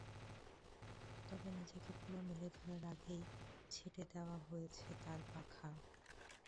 তবে নিজেকে পুরো মেলে ধরার আগেই ছেঁটে দেওয়া হয়েছে তাঁর পাখা।